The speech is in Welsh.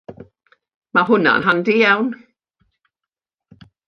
Mae hwnna'n handi iawn.